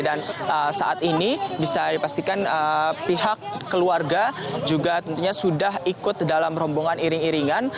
dan saat ini bisa dipastikan pihak keluarga juga tentunya sudah ikut dalam rombongan iring iringan